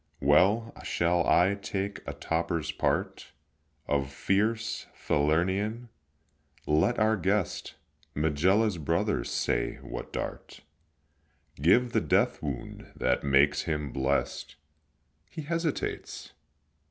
Well, shall I take a toper's part Of fierce Falernian? let our guest, Megilla's brother, say what dart Gave the death wound that makes him blest. He hesitates?